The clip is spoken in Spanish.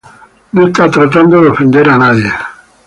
No está tratando de ofender a nadie.